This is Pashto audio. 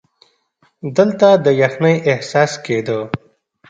دلته د یخنۍ احساس کېده.